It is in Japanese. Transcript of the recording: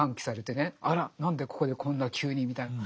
あら何でここでこんな急にみたいな。